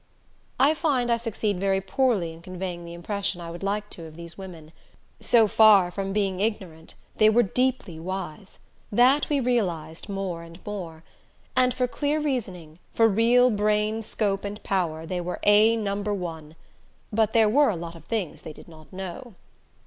I find I succeed very poorly in conveying the impression I would like to of these women. So far from being ignorant, they were deeply wise that we realized more and more; and for clear reasoning, for real brain scope and power they were A No. 1, but there were a lot of things they did not know.